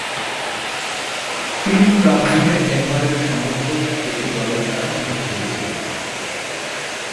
তিনি ট্রাবজনে এনভারের সমর্থক একটি দলের দ্বারা নিহত হয়েছিলেন।